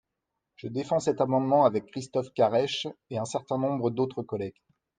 Je défends cet amendement avec Christophe Caresche et un certain nombre d’autres collègues.